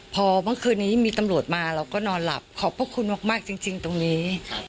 พอเมื่อคืนนี้มีตำรวจมาเราก็นอนหลับขอบพระคุณมากจริงตรงนี้